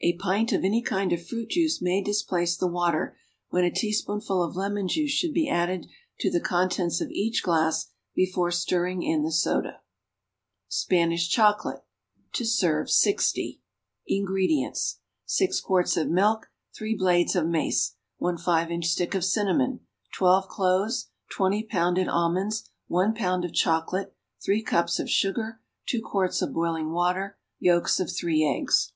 A pint of any kind of fruit juice may displace the water, when a teaspoonful of lemon juice should be added to the contents of each glass before stirring in the soda. =Spanish Chocolate.= (To serve 60.) INGREDIENTS. 6 quarts of milk. 3 blades of mace. 1 five inch stick of cinnamon. 12 cloves. 20 pounded almonds. 1 pound of chocolate. 3 cups of sugar. 2 quarts of boiling water. Yolks of three eggs.